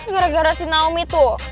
gara gara si naomi tuh